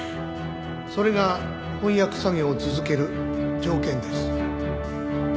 それが翻訳作業を続ける条件です。